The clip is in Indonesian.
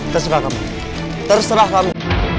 terserah kamu terserah kamu